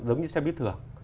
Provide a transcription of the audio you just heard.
giống như xe bíp thường